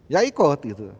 ya ikut gitu